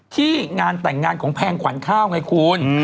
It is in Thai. ที่งานแต่งงานของแพงขวัญข้าวไงคุณ